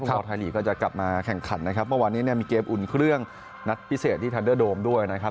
ชาวไทยลีกก็จะกลับมาแข่งขันนะครับเมื่อวานนี้เนี่ยมีเกมอุ่นเครื่องนัดพิเศษที่ทันเดอร์โดมด้วยนะครับ